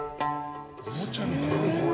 おもちゃみたい。